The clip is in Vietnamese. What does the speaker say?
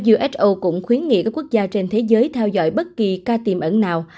who cũng khuyến nghị các quốc gia trên thế giới theo dõi bất kỳ ca tiêm ẩn nào